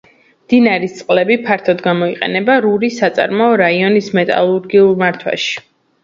მდინარის წყლები ფართოდ გამოიყენება რურის საწარმოო რაიონის მეტალურგიულ მართვაში.